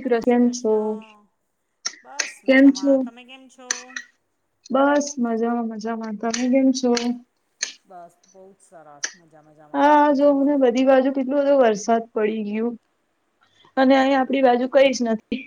Hello Shri Krishna બસ મજામાં તમે કેમ છો? બસ મજામાં મજામાં તમે કેમ છો? બસ બહુ જ સરસ મજા મજામાં બીજું બોલો એટલો બધો વરસાદ પડી ગયો અને અહીં આપડી બાજુ કઈ જ નથી.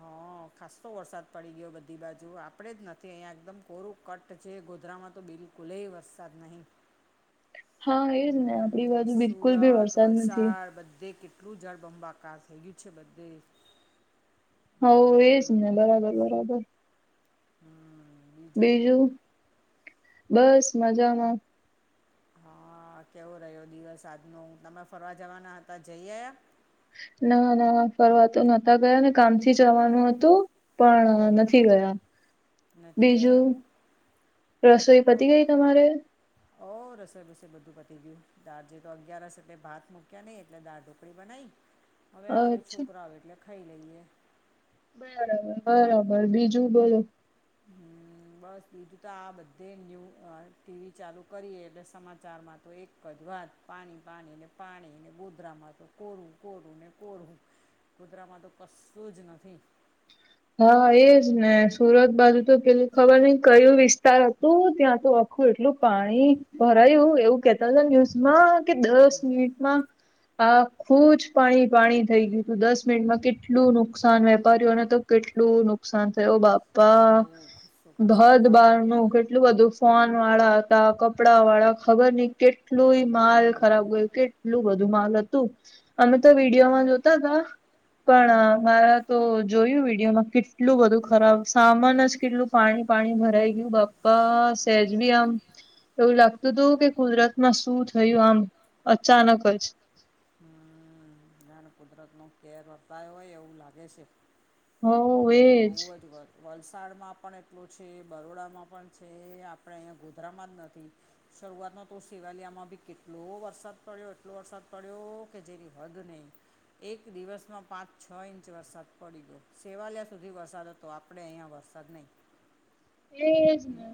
હા ખાસતો વરસાદ પડી ગયો બધી બાજુ આપડે જ નથી અહીંયા એકદમ કોરું કટ જે ગોધરામાં તો બિલકુલે વરસાદ નહીં. સુરત વલસાડ બધે કેટ કેટલું જળબંબાકાર થઈ ગયું છે બધે. હ એજ ને બરાબર બરાબર બીજું? બસ મજામાં. હા કેવો રહ્યો દિવસ આજનો હ તમે ફરવા જવાના હતા જઈ આયા? ના ના ફરવા તો નહોતા ગયા ને કામ થી જ રવાનું હતું. પણ નથી ગયા. બીજું રસોઈ પતી ગઈ તમારે? ઓહ રસોડૂસે બધું પટી ગયું દાળ જે તો અગિયાર રસ એટલે ભાત મૂક્યા નહી એટલે દાળ ઢોકળી બનાઈ. હ [unintelligible] હવે આવે છોકરાઓ એટલે ખાઈ લઈએ. બરાબ બરાબર બીજું બોલો? [inaudible] બસ બીજું તો આ બધે ન્યૂ ટીવી ચાલુ કરીએ એટલે સમાચારમાં તો એક જ વાત, પાણી પાણી ને પાણીને ગોધરામાં તો કોરવું કોરું ને કોરવું. કુતરામાં તો કશું જ નથીવ હા એજ ને સુરત બાજુ તો પેલ ખબર નહ કયું વિસ્તાર હતું ત્યાં તો આખું એટલું પાણી ભરાયું એવું કેતા હો ન્યૂઝમાં કે દસ મિનિટમાં આ ખુજ પાણી પાણી થઈ ગયું હતું દસ મિનિટમાં કેટલું નુકસાન વેપારીઓને તો કેટલું નુકસાન થયું બાપ્પા ભદ બાર નું કે એટલું બધું ફોન વાળા કપડા વાળા ખબર નહ કેટલું માલ ખરાબ ગયું કે એટલું બધું માલ હતું અમે તો વિડીયોમાં જોતા હતાા પણ મારા તો જોયું વિડીિયોમાં કેટલું બધું ખરાબ સામાન જ કેટલું પાણી પાણી ભરાઈ ગયું બાપ અ સહેજ વી આમ એવું લાગતું હત કે કુદરતમાં શું થયું આમ અચાનક જ હમ ના કુદરતનો કેર વર્તાય હોય એવું લાગે છેવ હો એ બોવ જ વરસાદ વલસાડમાં પણ એટલું છે બરોડામાં પણ છે આપણે અહીંયા ગોધરામાં જ નથી. શરૂઆતમાં તો શિવાલિયામાં ભી કેટલો વરસાદ પડ્યો એટલો વરસાદ પડ્યો કે જેની હદ નહી. એક દિવસમાં પાંચ છ ઇંચ વરસાદ પડી ગયો સેવાલિયા સુધી વરસા વરસાદ હતો આપડણે અહીંયા વરસાદ નહીં. એજ ને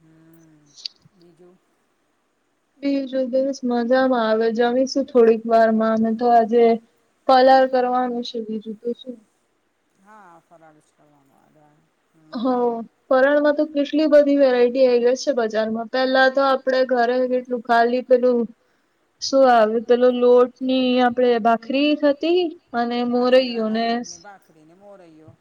હમ બીજું? બીજું દિવસ મજામાં આવે જમીશું થોડીક વાર માં અમે તો આજે કલર કરવાનું છે બીજું તો શું. હા ફરળસ કરવાનો આ હ ફરણ માં તો કેટલી બધી વેરાયટી આવી ગ છે બજારમાં પેલા તો આપડે ઘરે કેટલું ખાલી પેલું શું આવે પેલું લોટ ની આપડે બાખરી થતી. અને મોરૈયો ને અડીને મોર્ય્યો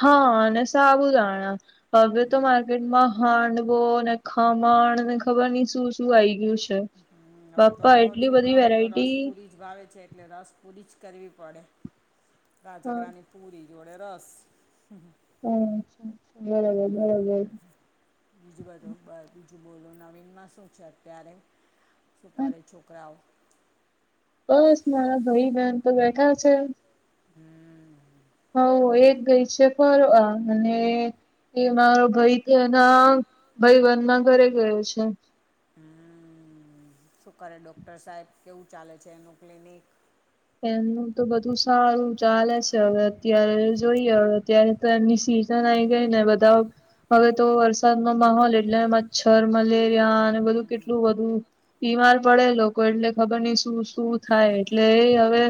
હા અને સાબુંદાણા. હવે તો માર્કેટમાં હાંડવો ને ખમણ ને ખબર નઈ શું શું આવી ગયું છે. હમ્મ, હવે તો છોકરાઓને તો રસ પૂરી ભાવેે છે એટલે રસ પૂરી જ કરવી પડે, રાજગરાની પુરી જોડે રસ એવું છે બરોબર બરોબર બીજું બધું બ બીજું બોલો, નવીનમાં શું છે અત્યારે, શું કરે છોકરાઓ? બસ મારા ભાઈ બેહેન તો બેઠા છે. હમ્મ. હોવ એક ગઈ છે ફરવા અને એ મારો ભાઈ તે એના ભાઈબંધ ના ઘરે ગયો છે. હમ્મ, શું કરે ડોક્ટર સાહેબ, કેવું ચાલે છે એનું ક્લિનિક? એમનું તો બધું સારું ચાલે છે હવે, અત્યારે જોઈએ હવે અત્યારે તો એની સિઝન આવી ગઈ ને બધા હવે તો વરસાદનો માહોલ એટલે મચ્છર મલેરિયા અને બધું કેટલું વધું બીમાર પડે લોકો એટલે ખબર નઈ શું શું થાય, એટલે એ હવે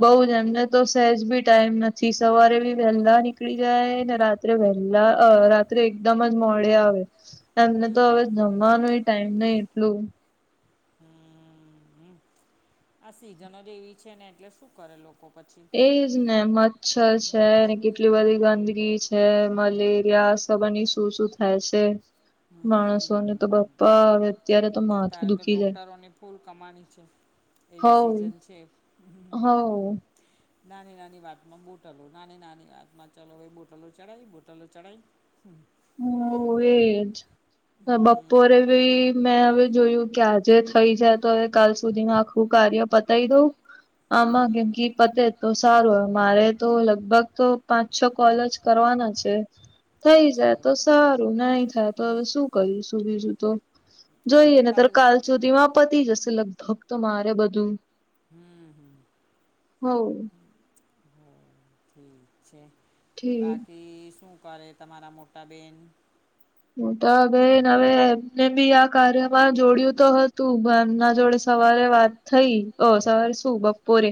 બઉ જ એમને તો સહેજ બી ટાઈમ નથી. સવારે બી વહેલા નીકળી જાય ને રાત્રે તે વહેલા અહ રાત્રે એકદમ જ મોડે આવે એમને તો હવે જમવાનું એ ટાઈમ નઈ એટલું આ સીઝન જ એવી છે ને એટલે શું કરે લોકો એજને મચ્છર છે ને કેટલી બધી ગંદકી છે. છે મલેરિયા ખબરની શું શું થાય છે. માણસો ને તો બાપ્પા હવે. અત્યારે તો ડોક્ટરોની ફૂલ કમાની છે. એવી સીઝન છે. [inaudible] નાની નાની વાતમાં બોટલો નાની નાની વાતમાં ચાલો ભાઈ બોટલો ચઢાવ બોટલો ચઢાઈ. હમ. હ એજ. બપોરે બી મેં હવે જોયું કે આજે થઈ જાય તો હવે કાલ સુધીમાં આખું કાર્ય પતા હ દ આમાં કેમકી પતે તો સારું મારે તો લગભગ પાંચ છ કોલેજ કરવાના છે. થઈ જાય તો સારું નાઈ થાય તો હવે શું કરીશું બીજું તો. જોઈએ ને તો કાલ સુધી માં પતી જશે લગભગ તો મારે બધું. હમ હમ. હ. છે, બાકી શું કરે તમારા મોટા બેન હું તો બેાઈ હવે એમને બી આ કાર્યમાં જોડું તો હતું બમના જોડે સવારે વાત થઈ, સવાર શું બપોરે,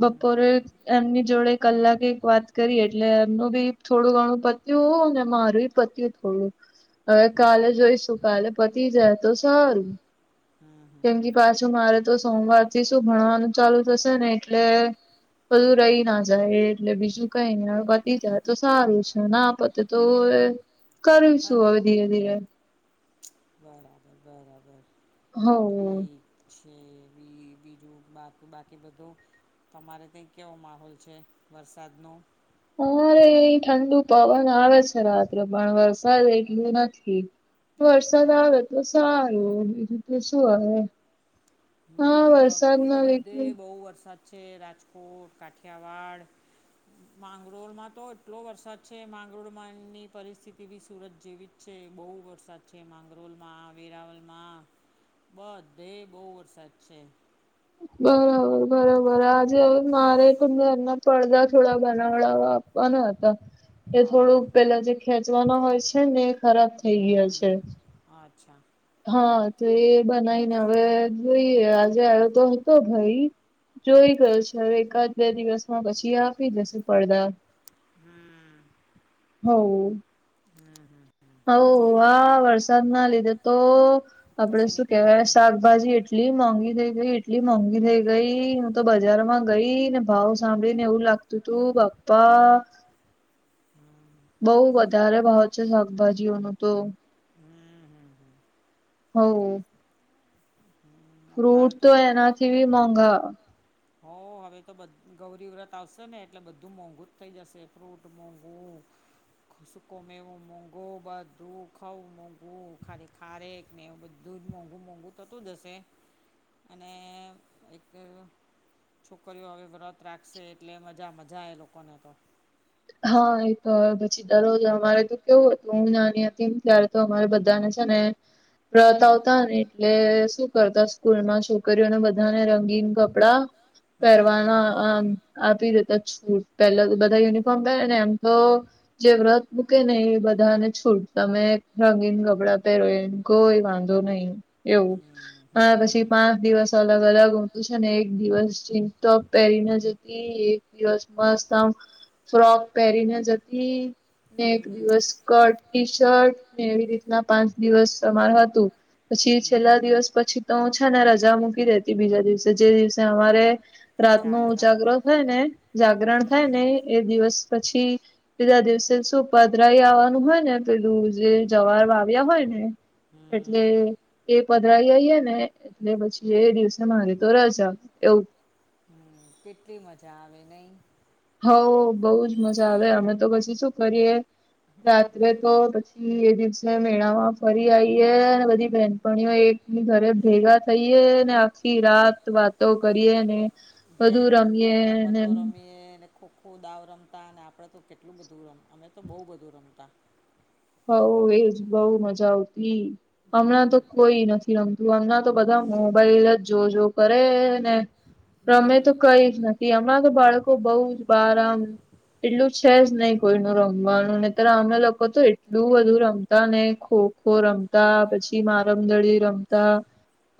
બપોરે એમની જોડે કલાકે એક વાત કરી એટલે એમનું બી થોડું ઘણું પત્યું હોું ને મારું પતિ થોડું. હવે કાલે જોઈશું કાલે પતી જાય તો સારું. કે કે પાછું મારે તો સોમવાર થી શું ભણવાનું ચાલુ થશે ને એટલે બધું રહી ના જાય એટલે બીજું કઈ વધતી જાય તો સારું છે ના પોતે તો કર્યું શું હવે ધીરે ધીરે બરાબર બરાબર. હા. છે બીજુ બા બાકી બધું, તમારે ત્યાં કેવો માહોલ છે વરસાદનો? અરે એ ઠંડુ પવન આવે છે રાત્રે પણ વરસાદ એટલ નથી. વરસાદ આવે તો સારું બીજું તો શું આવે હ વક્થી તો બધે બહુ વરસાદ છે રાજકોટ કાઠીયાવાડ માંગરોળમાં તો એટલો વરસાદ છે માંગરોળમાંની પરિસ્થિતિ બી સુરત જેવી જ છે બહુ વરસાદ છે માંગરોલ માં વેરાવલ માં બધે બહુ વરસાદ છે બરાબર બરાબર આજે હવે મારે તને એમના પડદા થોડા બનાવડા કોને હતા એ થોડું પેલા જે ખેંચવાના હોય છે ને એ ખરાબ થઈ ગયા છે અચ્છા હા તો એ બનાવીને હવે જોઈ આજે આવ્યો તો હતો ભાઈ જોઈ ગયો છે હવે એકાદ બે દિવસમાં પછી આપી જશે પડદા હમ હ [unintelligible] હમ હમ [unintelligible] હ આ વરસાદ ના લીધે તો આપડે શું કેહેવાય શાકભાજી એટ એટલી મોંઘી થઈ ગઈ એટલી મોંઘી થઈ ગઈ હું તો બજાર માં ગઈ ને ભાવ સાંભળી ને એવું લાગ ત તું બાપ્પા બઉ વધારે ભાવ છે શાકભાજીઓનું તો હમ હમ હમ હ [unintelligible] ફ્રૂટ તો એનાથીબી મોંઘા હો હવે તો ગૌરી વ્રત આવશે ને એટલે બધું મોંઘું જ થઇ જશે ફ્રૂટ મોંઘું સુકો મેવું મોગું બ દુખઉ મોગું ખારે ખારેખ ને એવ બધું જ મોંઘું મોંઘું થતું જ હશે અને એક છોકરીઓ હવે વ્રત રાખશે એટલે મજા મજા એ લોકોને તો હા એ તો પછી દરરોજ અમારે તો કેવું હતું હું નાની હતી એ ત્યારે તો અમારે બધાને છે ને વ્રત આવતા ને એ એટલે શું કરતા સ્કૂલમાં છોકરીઓને બધાને રંગીન કપડા પહેરવાના આપી દેતા છૂટ પેલા તો બધા યુનિફોર્મ પહેરે ને એમ તો જે વ્રત મૂકે ને એ બધાને છૂટ તમે રંગીંગ કપડાં પહેરો કોઈ વાંધો નહી એવું હા પછી પાંચ દિવસ અલગ અલગ ઊતું છે ને એક દિવસ જીન્સ ટોપ પહેરીને જતી દિવસ મસ્ત આમ ફ્રોક પહેરીને જતી ને એક દિવસ સ્કટ ટી શર્ટ ને એવી રીતના પાંચ દિવસ સમાર હતું પછી છેલ્લા દિવસ પછી તો હ છે ને રજા મૂકી દેતી બીજા દિવસે જે દિવસે અમારે રાતનો ઉજાગરો થાય ને જાગરણ થાય ને એ દિવસ પછી બીજા દિવસે શું પધરાઈ આવવાનું હોય ને પેલું જે જવાર વા આવ્યા હોય ને એટલે એ પધરાઈ આવીઈ ને એટલે પછી એ દિવસે મારી તો રજા એવું કેટલી મજા આવે નહીં હ બહુજ મજા આવે અમે તો પછી શું કરીએ રાત્રે તો પછી એ દિવસે મેળામાં ફરી આવીએ અને બધી બહેનપણીઓ એક એ ઘરે ભેગા થઈએ ને આખી રાત વાતો કરીએ ને જે રમતો રમીએ એને ખૂબ ખૂદાવ રમતા અને આપણે તો કેટલું બધું રમતા અમે તો બહુ બધું રમતા. હા, બો મજા આવતી હમણાં તો કોઈ નથી રમતુ. હમણા તો બધા મોબાઈલ જ જોયા કરે ને? અમે તો, કઈ જ નથી,, હમણાં તો બાળકો બહુ જ બાર આમ એટલું છે જ નહી, કોઈને રમવાનું ને ત્યારે અમે લોકો તો એટલું બધું રમતા ને ખો-ખો રમતા, પછી મારમદડી રમતા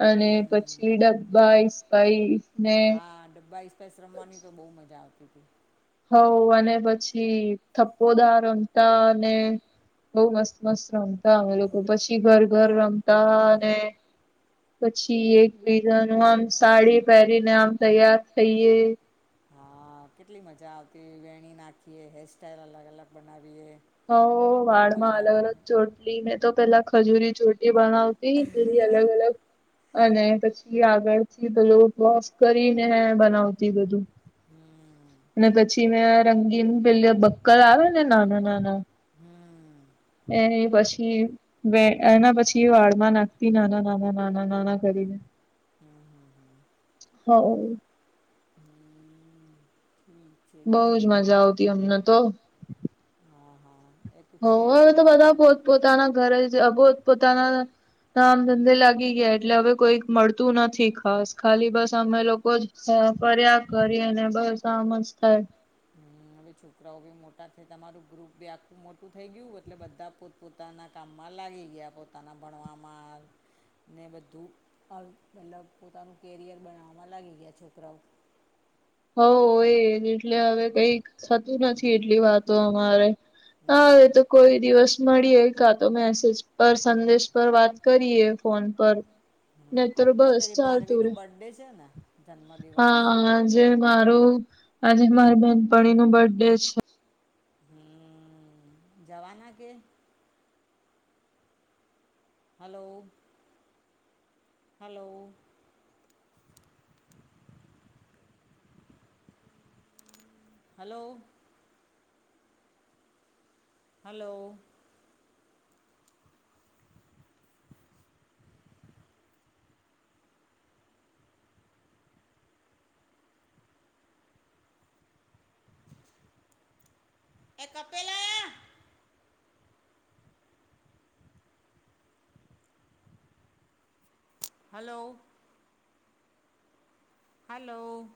અને પછી ડબાઈસાઈસ ને હા, ડબ્બાઈ એક્સપ્રેસ રમવાની તો બહુ મજા આવતી હતી. હઉ, અને પછી થપ્પોદાર રમતા અને બહુ મસ્ત-મસ્ત રમતા અમે લોકો પછી ઘર-ઘર રમતા અને પછી એક બીજાનું આમ સાડી પહેરીને આમ તૈયાર થઈએ. હા, કેટલી મજા આવતી વેણી નાખીએ હેસ્ટાઈલ અલગ-અલગ બનાવીએ. હા, વાળમાં અલગ-અલગ ચોટલી મેં તો પેલા ખજૂરી ચોટલી બનાવ [unintelligible] બધી અલગ-અલગ અને પછી આગળથી પેલો બફ કરીને બનાવતી બધું અને પછી મેં રંગીન પેલી બક્કલ આવે ને નાના-નાના હમ. એ પછી [unintelligible] એના પછી એ વાળમાં નાખતી નાના-નાના કરીને હા. બઉ જ મજા આવતી અમને તો હઉ, હવે તો બધા પોત પોતાના ઘરે જ પોત પોતાના કામ ધંધે લાગી ગયા એટલે હવે કોઈક મળતું નથી. ખાસ ખાલી બસ અમે લોકો જ હા, ફર્યા કરી અને બસ આમ જ થાય. [unintelligible] છોકરાઓ બી મોટા થાય, તમારું ગ્રુપ બી આખું મોટું થઈ ગયું એટલે બધા પોત પોતાના કામમાં લાગી ગયા, પોતાના ભણવામાં ને બધું [inaudible] મતલબ પોતાનું કેરિયર બનાવવામાં લાગી ગયા છોકરાઓ. હઉ એજ એટલે હવે કઈક થતું નથી. એટલી વાતો અમારે હા, હવે તો કોઈ દિવસ મળીએ કા તો મેસેજ પર, સંદેશ પર વાત કરીએ ફોન પર. ને તર બસ ચાલતું રે, હા. આજે મારો આજે માર બેનપણીનું બર્થ ડે છે. જવાના કે? Hello, hello. Hello. Hello. [unintelligible] Hello. Hello.